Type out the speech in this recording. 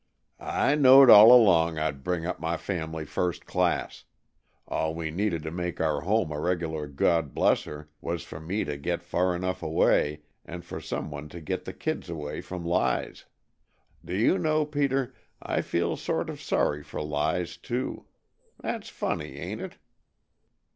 "I knowed all along I'd bring up my family first class. All we needed to make our home a regular 'God bless er' was for me to get far enough away, and for some one to get the kids away from Lize. Do you know, Peter, I feel sort of sorry for Lize, too. That's funny, ain't it?"